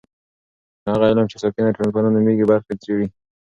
هغه علم چې ساکنه ټولنپوهنه نومیږي برخې څېړي.